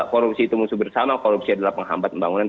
korupsi itu musuh bersama korupsi adalah penghambat pembangunan